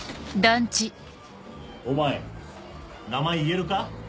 お前名前言えるか？